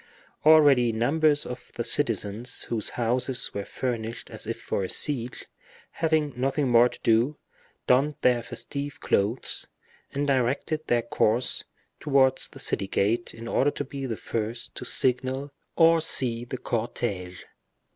Already numbers of the citizens whose houses were furnished as if for a siege, having nothing more to do, donned their festive clothes, and directed their course towards the city gate, in order to be the first to signal or see the cortege.